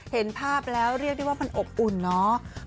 เห็นภาพแล้วเรียกได้ว่ามันอบอุ่นเนาะ